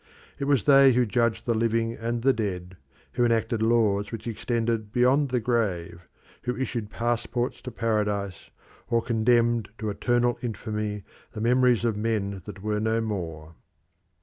It was they who judged the living and the dead, who enacted laws which extended beyond the grave, who issued passports to paradise, or condemned to eternal infamy the memories of men that were no more.